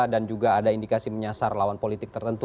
dan juga ada indikasi menyasar lawan politik tertentu